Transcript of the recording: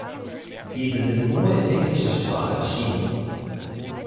Diese sind nur in Englischer Sprache erschienen.